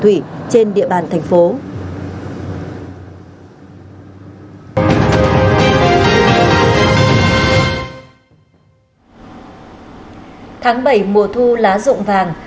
tháng bảy mùa thu lá rụng vàng